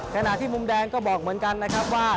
ขณะที่มุมแดงก็บอกเหมือนกันนะครับว่า